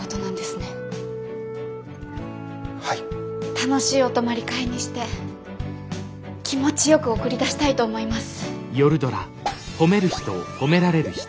楽しいお泊まり会にして気持ちよく送り出したいと思います。